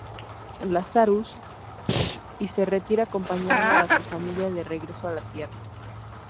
Lazarus, y se retira acompañando a su familia de regreso a la Tierra.